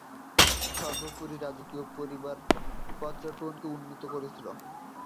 সর্বোপরি, রাজকীয় পরিবার পর্যটনকে উন্নীত করেছিল।